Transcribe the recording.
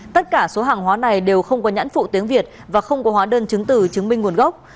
tất cả số hàng hóa này đều không có nhãn phụ tiếng việt và không có hóa đơn chứng từ chứng minh nguồn gốc